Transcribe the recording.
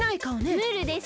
ムールです。